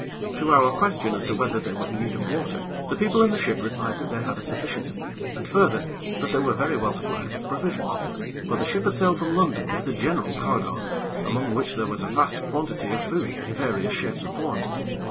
To our question as to whether they were in need of water, the people in the ship replied that they had a sufficiency, and, further, that they were very well supplied with provisions; for the ship had sailed from London with a general cargo, among which there was a vast quantity of food in various shapes and forms.